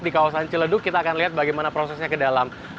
di kawasan ciledug kita akan lihat bagaimana prosesnya ke dalam